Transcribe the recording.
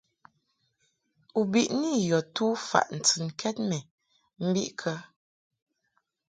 U biʼni yɔ tufaʼ ntɨnkɛd mɛ mbiʼ kə ?